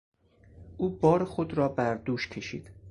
او بار خود را بر دوش کشید.